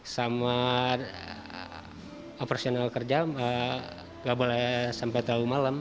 sama operasional kerja nggak boleh sampai tahu malam